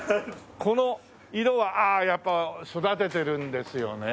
この色はああやっぱ育ててるんですよね。